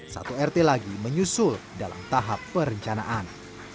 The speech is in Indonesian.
satu rt lagi menyusul dalam tahap perencanaan